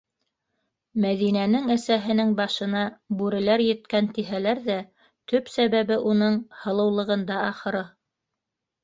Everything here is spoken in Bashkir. Мәҙинәнең әсәһенең башына бүреләр еткән тиһәләр ҙә, төп сәбәбе уның һылыулығында, ахыры.